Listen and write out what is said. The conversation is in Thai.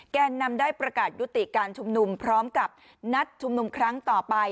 แกนนำได้ประกาศยุติการชุมนุมพร้อมกับนัดชุมนุมครั้งต่อไป